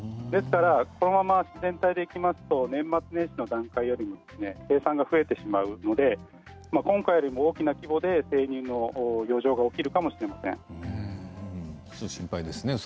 ですからそのまま全体でいきますと年末年始の段階よりも生産が増えてしまうので今回よりも大きな規模で生乳の余剰が起きるかもしれません。